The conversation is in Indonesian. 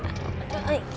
kalian gak akan nyesel